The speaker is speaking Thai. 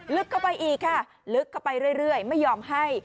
ลึกเข้าไปอีกค่ะลึกเข้าไปเรื่อยไม่ยอมให้